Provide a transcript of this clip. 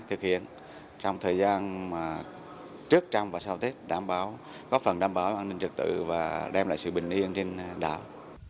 thực hiện trong thời gian trước trong và sau tết có phần đảm bảo an ninh trực tự và đem lại sự bình yên trên đảo